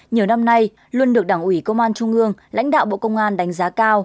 nhiều năm nay luôn được đảng ủy công an trung ương lãnh đạo bộ công an đánh giá cao